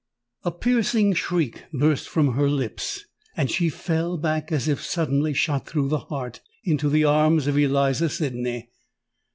A piercing shriek burst from her lips; and she fell back, as if suddenly shot through the heart, into the arms of Eliza Sydney.